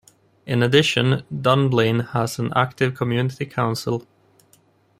In addition, Dunblane has an active community council.